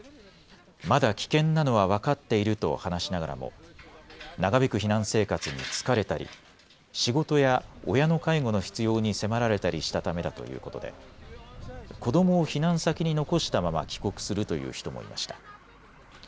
まだ危険なのは分かっていると話しながらも長引く避難生活に疲れたり仕事や親の介護の必要に迫られたりしたためだということで子どもを避難先に残したまま帰国するという人もいました。